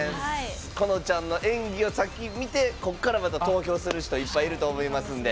このちゃんの演技を見てこっから、また投票する人いっぱいいると思います。